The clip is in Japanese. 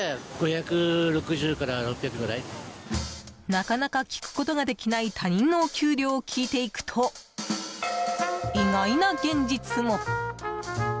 なかなか聞くことができない他人のお給料を聞いていくと意外な現実も。